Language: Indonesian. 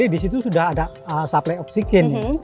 di situ sudah ada suplai oksigen